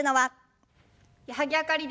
矢作あかりです。